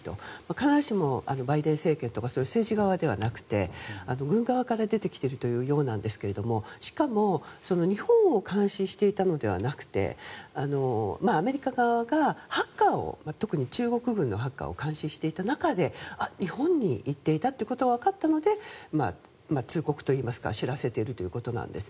必ずしもバイデン政権とか政治側ではなくて軍側から出てきているようなんですがしかも日本を監視していたのではなくてアメリカ側がハッカーを特に中国軍のハッカーを監視していた中で日本に行っていたということがわかったので通告といいますか知らせているということなんです。